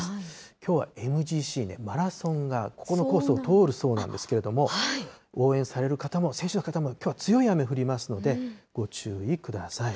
きょうはＭＧＣマラソンが、ここのコースを通るそうなんですけれども、応援される方も、選手の方も、きょうは強い雨が降りますので、ご注意ください。